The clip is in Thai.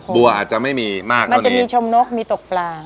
บัวอาจจะไม่มีมากมันจะมีชมนกมีตกปลา